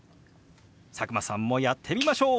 佐久間さんもやってみましょう！